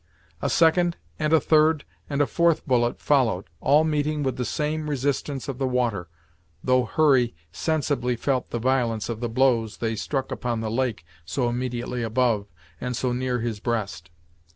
A second, and a third, and a fourth bullet followed, all meeting with the same resistance of the water, though Hurry sensibly felt the violence of the blows they struck upon the lake so immediately above, and so near his breast.